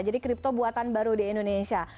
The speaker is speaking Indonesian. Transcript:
jadi crypto buatan baru di indonesia